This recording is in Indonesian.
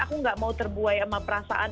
aku gak mau terbuai sama perasaan